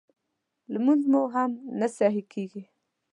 لمونځ مو هم نه صحیح کېږي